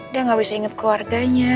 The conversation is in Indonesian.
dia gak bisa ingat keluarganya